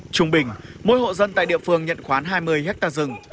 trung bình mỗi hộ dân tại địa phương nhận khoán hai mươi hectare rừng